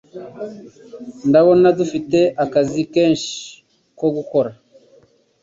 Ndabona dufite akazi kenshi ko gukora.